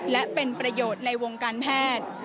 และเป็นประโยชน์ในวงการแพทย์